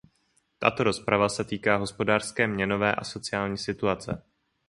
Tato rozprava se týká hospodářské, měnové a sociální situace.